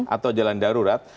atau jalan darurat